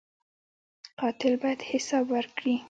قاتل باید حساب ورکړي